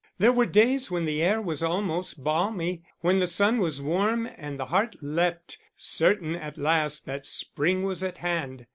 There were days when the air was almost balmy, when the sun was warm and the heart leapt, certain at last that the spring was at hand.